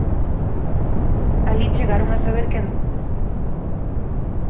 Alí chegaron a saber que andaban na súa procura.